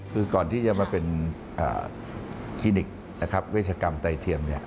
คือก่อนที่จะมาเป็นคลินิกนะครับเวชกรรมไตเทียม